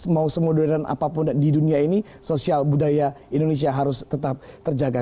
mau semodern apapun di dunia ini sosial budaya indonesia harus tetap terjaga